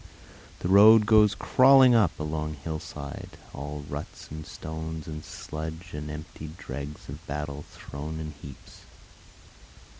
The road goes crawling up a long hillside, All ruts and stones and sludge, and the emptied dregs Of battle thrown in heaps.